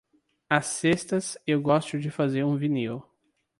Às sextas eu gosto de fazer um vinil.